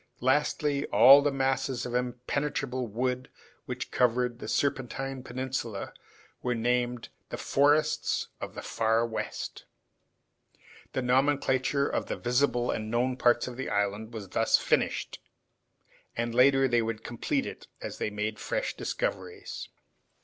Lastly, all the masses of impenetrable wood which covered the Serpentine Peninsula were named the forests of the Far West. The nomenclature of the visible and known parts of the island was thus finished, and later, they would complete it as they made fresh discoveries.